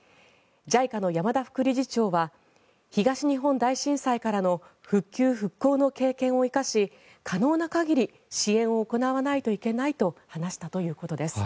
ＪＩＣＡの山田副理事長は東日本大震災からの復旧・復興の経験を生かし可能な限り支援を行わないといけないと話したということです。